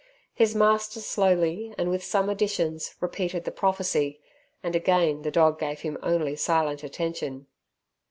His master, slowly and with some additions, repeated the prophecy, and again the dog gave him only silent attention.